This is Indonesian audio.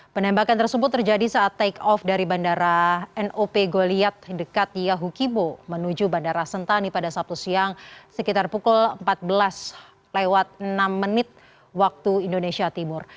penembakan tersebut terjadi saat take off dari bandara nop goliat dekat yahukibo menuju bandara sentani pada sabtu siang sekitar pukul empat belas lewat enam menit waktu indonesia timur